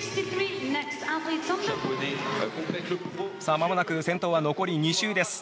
まもなく、先頭は残り２周です。